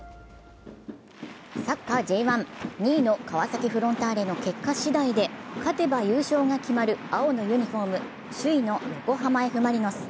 サッカーＪ１、２位の川崎フロンターレの結果しだいで勝てば優勝が決まる青のユニフォーム、首位の横浜Ｆ・マリノス。